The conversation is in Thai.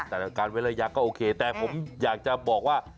แต่ละการเว้นระยะก็โอเคแต่ผมอยากจะบอกว่า